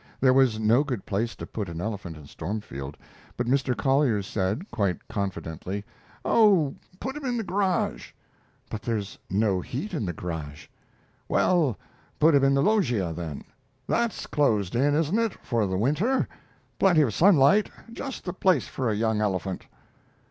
There was no good place to put an elephant in Stormfield, but Mr. Collier said, quite confidently: "Oh, put him in the garage." "But there's no heat in the garage." "Well, put him in the loggia, then. That's closed in, isn't it, for the winter? Plenty of sunlight just the place for a young elephant."